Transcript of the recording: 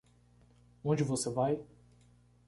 Onde você vai?